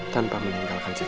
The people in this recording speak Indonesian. tanpa meninggalkan secara